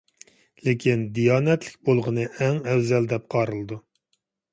لېكىن دىيانەتلىك بولغىنى ئەڭ ئەۋزەل دەپ قارىلىدۇ.